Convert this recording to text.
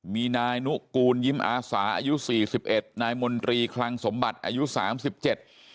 มีนายนุกูลยิ้มอาสาอายุสี่สิบเอ็ดนายมนตรีคลังสมบัติอายุสามสิบเจ็ด